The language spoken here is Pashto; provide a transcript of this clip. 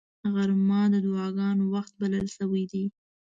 غرمه د دعاګانو وخت بلل شوی دی